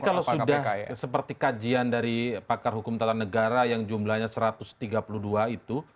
tapi kalau sudah seperti kajian dari pakar hukum tata negara yang jumlahnya satu ratus tiga puluh dua itu